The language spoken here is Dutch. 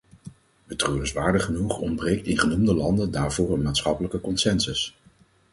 Betreurenswaardig genoeg ontbreekt in genoemde landen daarvoor een maatschappelijke consensus.